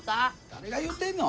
誰が言うてんの？